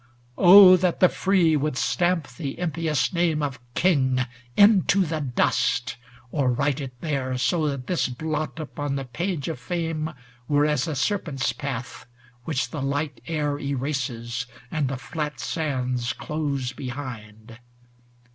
XV Oh, that the free would stamp the impious name Of King into the dust ! or write it there. So that this blot upon the page of fame Were as a serpent's path, which the light air Erases, and the flat sands close behind